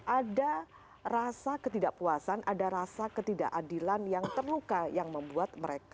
ada rasa ketidakpuasan ada rasa ketidakadilan yang terluka yang membuat mereka